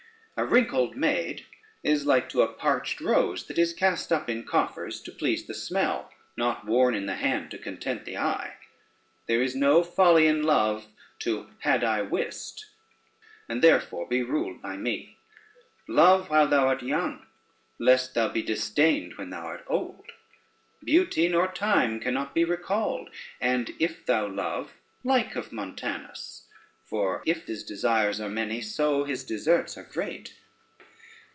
A wrinkled maid is like to a parched rose, that is cast up in coffers to please the smell, not worn in the hand to content the eye. There is no folly in love to had I wist, and therefore be ruled by me. Love while thou art young, least thou be disdained when thou art old. Beauty nor time cannot be recalled, and if thou love, like of Montanus; for if his desires are many, so his deserts are great."